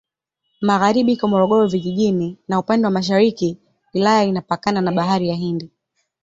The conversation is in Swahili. Magharibi iko Morogoro Vijijini na upande wa mashariki wilaya inapakana na Bahari ya Hindi.